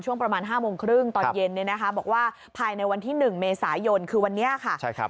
ช่วงประมาณ๕โมงครึ่งตอนเย็นบอกว่าภายในวันที่๑เมษายนคือวันนี้ค่ะ